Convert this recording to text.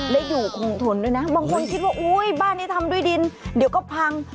และอยู่คงทนด้วยนะบางคนคิดว่าอุ้ยบ้านนี้ทำด้วยดินเดี๋ยวก็พัง